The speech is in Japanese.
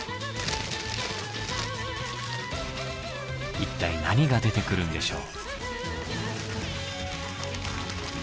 一体何が出てくるんでしょう？